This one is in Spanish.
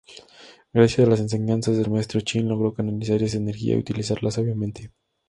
Gracias a las enseñanzas del maestro Chin logró canalizar esa energía y utilizarla sabiamente.